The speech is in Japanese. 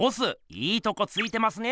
いいとこついてますね。